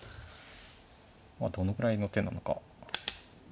まあどのぐらいの手なのか。